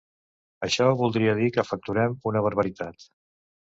Això voldria dir que facturem una barbaritat.